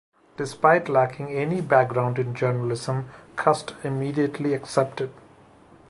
Despite lacking any background in journalism, Cust immediately accepted.